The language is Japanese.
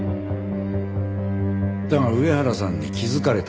だが上原さんに気づかれた。